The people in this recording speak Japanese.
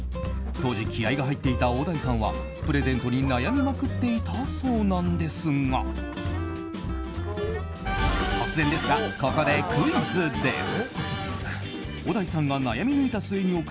当時、気合が入っていた小田井さんはプレゼントに悩みまくっていたそうなんですが突然ですが、ここでクイズです。